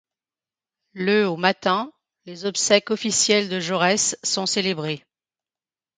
Le au matin, les obsèques officielles de Jaurès sont célébrées.